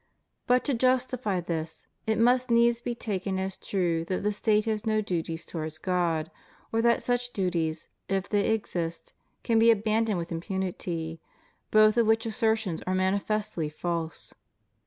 But, to justify this, it must needs be taken as true that the State has no duties towards God, or that such duties, if they exist, can be abandoned with impunity, both of which assertions are manifestly false.